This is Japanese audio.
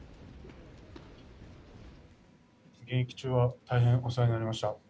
現役中は大変お世話になりました。